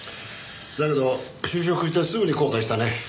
だけど就職してすぐに後悔したね。